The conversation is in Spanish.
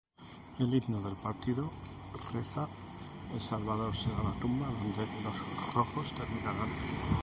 El himno del partido reza ""El Salvador será la tumba donde los rojos terminarán"".